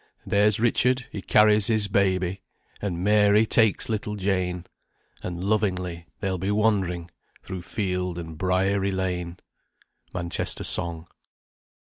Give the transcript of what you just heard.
There's Richard he carries his baby, And Mary takes little Jane, And lovingly they'll be wandering Through field and briery lane. MANCHESTER SONG.